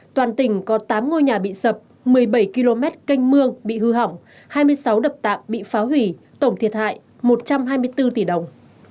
toàn tỉnh có tám ngôi nhà bị sập một mươi bảy km canh mương bị hư hỏng hai mươi sáu đập tạm bị phá hủy tổng thiệt hại một trăm hai mươi bốn tỷ đồng